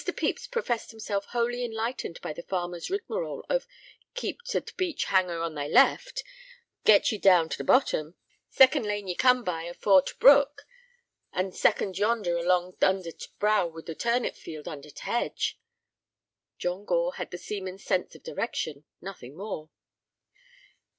Pepys professed himself wholly enlightened by the farmer's rigmarole of "keep to t' beech hanger on thy left"—"get ye down into t' bottom"—"second lane ye come by afore t' brook, and t' second yonder along under t' brow wid a turnip field under t' hedge." John Gore had the seaman's sense of direction, nothing more.